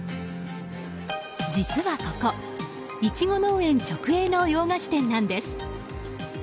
実はここ、イチゴ農園直営の洋菓子店なんです。